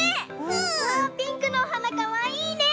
うわピンクのおはなかわいいね。